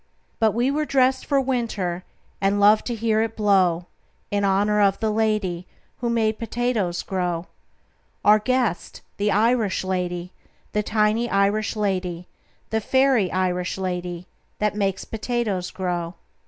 But we were dressed for winter, And loved to hear it blow In honor of the lady Who makes potatoes grow Our guest, the Irish lady, The tiny Irish lady, The fairy Irish lady That makes potatoes grow.